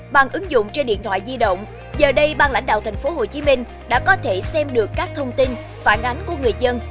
bằng ứng dụng trên điện thoại di động giờ đây bang lãnh đạo thành phố hồ chí minh đã có thể xem được các thông tin phản ánh của người dân